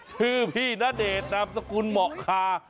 พี่ณเดชน์นามสกุลเหมาะคา